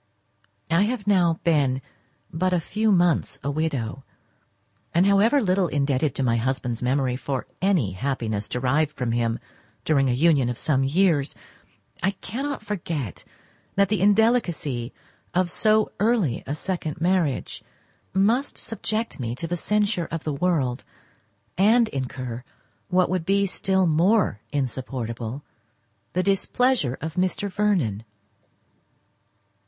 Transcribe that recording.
I have now been but a few months a widow, and, however little indebted to my husband's memory for any happiness derived from him during a union of some years, I cannot forget that the indelicacy of so early a second marriage must subject me to the censure of the world, and incur, what would be still more insupportable, the displeasure of Mr. Vernon.